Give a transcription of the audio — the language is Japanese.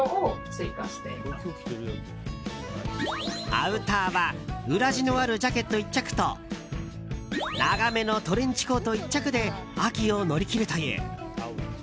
アウターは裏地のあるジャケット１着と長めのトレンチコート１着で秋を乗り切るという。